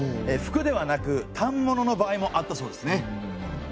服ではなく反物の場合もあったそうですね。